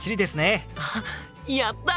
あっやった！